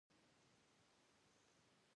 د دولتونو په صورت کې د دوی د زیانونو کچه ټیټه وي.